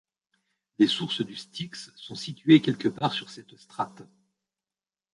Les sources du Styx sont situées quelque part sur cette strate.